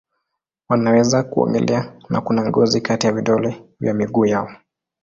Wanaweza kuogelea na kuna ngozi kati ya vidole vya miguu yao.